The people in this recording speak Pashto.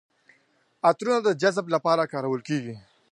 عطرونه د جذب لپاره کارول کیږي.